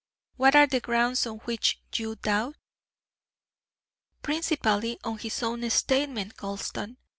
What are the grounds on which you doubt?" "Principally on his own statement, Gulston.